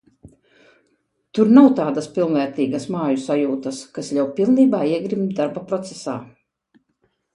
Tur nav tādas pilnvērtīgas māju sajūtas, kas ļauj pilnībā iegrimt darba procesā.